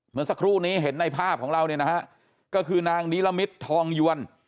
เมื่อสักครู่นี้เห็นในภาพของเราเนี่ยนะฮะก็คือนางนิรมิตรทองยวน